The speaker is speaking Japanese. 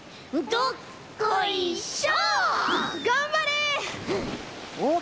どっこいしょ！